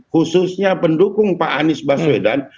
khususnya pendukung pak anies baswedan